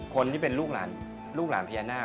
คนที่เป็นลูกหลานเพียรนดร์